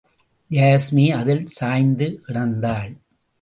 யாஸ்மி அதில் சாய்ந்து கிடந்தாள்.